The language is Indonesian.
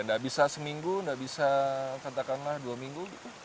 nggak bisa seminggu nggak bisa katakanlah dua minggu gitu